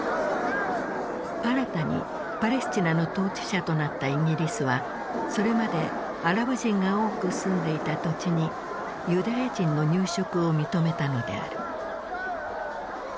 新たにパレスチナの統治者となったイギリスはそれまでアラブ人が多く住んでいた土地にユダヤ人の入植を認めたのである。